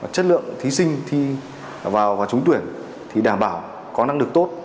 chất lượng thí sinh thi vào trúng tuyển thì đảm bảo có năng lực tốt